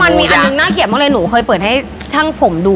แฮมันมีดนหน้าเกบมากเลยหนูเคยเปิดให้ช่างผมดูอ่ะ